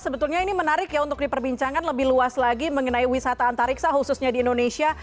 sebetulnya ini menarik ya untuk diperbincangkan lebih luas lagi mengenai wisata antariksa khususnya di indonesia